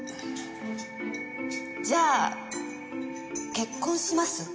じゃあ結婚します？